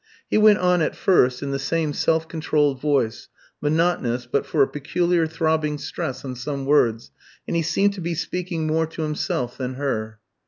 He went on at first in the same self controlled voice, monotonous but for a peculiar throbbing stress on some words, and he seemed to be speaking more to himself than her.